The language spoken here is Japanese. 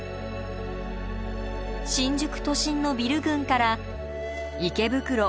新宿都心のビル群から池袋